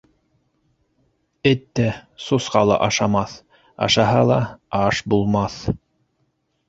Эт тә, сусҡа ла ашамаҫ, ашаһа ла, аш булмаҫ.